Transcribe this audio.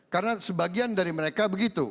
karena sebagian dari mereka begitu